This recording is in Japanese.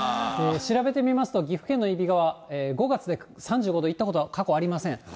調べてみますと、岐阜県の揖斐川、５月で３５度いったこと、過去ありません。